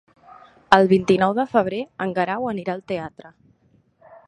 El vint-i-nou de febrer en Guerau anirà al teatre.